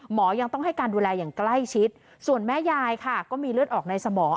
ยังต้องให้การดูแลอย่างใกล้ชิดส่วนแม่ยายค่ะก็มีเลือดออกในสมอง